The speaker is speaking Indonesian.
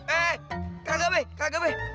eh kagak be kagak be